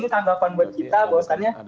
dan ini tanggapan buat kita bahwasanya